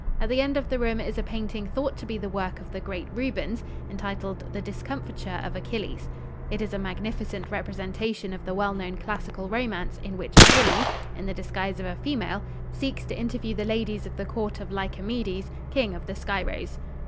At the end of the room is a painting thought to be the work of the great Rubens, entitled "The Discomfiture of Achilles." It is a magnificent representation of the well known classical romance in which Achilles, in the disguise of a female, seeks to interview the ladies of the Court of Lycomedes, King of the Scyros.